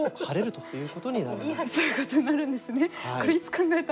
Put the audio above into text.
そういうことになるんですね。